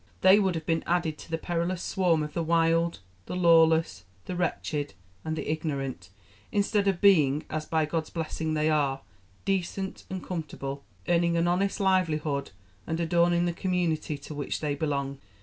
They would have been added to the perilous swarm of the wild, the lawless, the wretched, and the ignorant, instead of being, as by God's blessing they are, decent and comfortable, earning an honest livelihood, and adorning the community to which they belong."